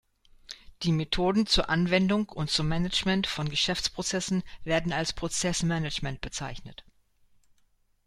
Die Methoden zur Anwendung und zum Management von Geschäftsprozessen werden als Prozessmanagement bezeichnet.